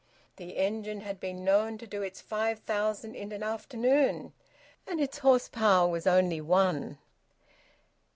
The engine had been known to do its five thousand in an afternoon, and its horse power was only one.